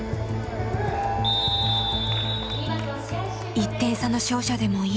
１点差の勝者でもいい。